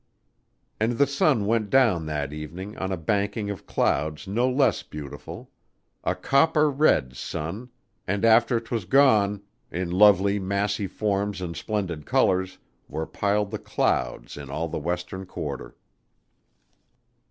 And the sun went down that evening on a banking of clouds no less beautiful; a copper red sun, and after 'twas gone, in lovely massy forms and splendid colors, were piled the clouds in all the western quarter.